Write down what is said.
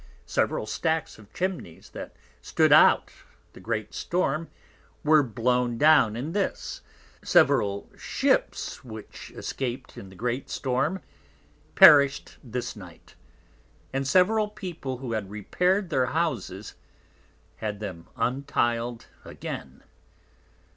Several Stacks of Chimneys that stood out the great Storm, were blown down in this; several Ships which escap'd in the great Storm, perish'd this Night; and several People who had repair'd their Houses, had them untiled again.